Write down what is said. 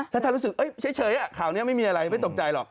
ถ้าท่านรู้สึกเฉยข่าวนี้ไม่มีอะไรไม่ตกใจหรอก